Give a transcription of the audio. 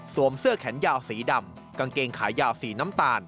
เสื้อแขนยาวสีดำกางเกงขายาวสีน้ำตาล